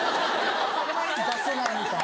出せないみたい。